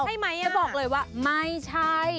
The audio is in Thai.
ใช่ไหมอ่ะจริงเหรอจะบอกเลยว่าไม่ใช่